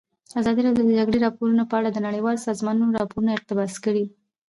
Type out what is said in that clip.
ازادي راډیو د د جګړې راپورونه په اړه د نړیوالو سازمانونو راپورونه اقتباس کړي.